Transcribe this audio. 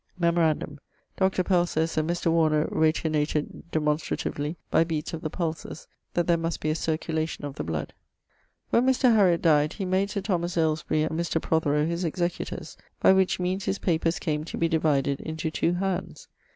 Memorandum: Dr. Pell sayes that Mr. Warner rationated demonstratively by beates of the pulses that there must be a circulation of the blood. When Mr. Hariot dyed, he made Sir Thomas Alesbury and Mr. Prothero his executors, by which meanes his papers came to be divided into two hands.